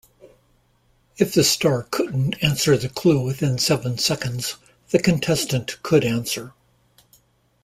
If the star couldn't answer the clue within seven seconds, the contestant could answer.